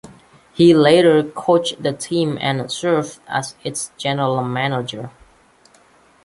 He later coached the team and served as its general manager.